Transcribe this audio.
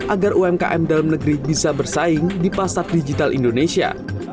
agar umkm dalam negeri bisa bersaing di pasar digital indonesia